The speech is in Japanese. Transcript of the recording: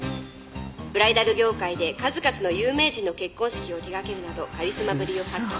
ブライダル業界で数々の有名人の結婚式を手掛けるなどカリスマぶりを発揮し。